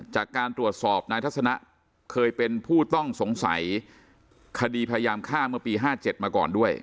จากการตรวจสอบนายทัศนะเคยเป็นผู้ต้องสงสัยคดีพยายามฆ่าเมื่อปี๕๗มาก่อนด้วย